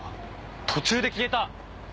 途中で消えた！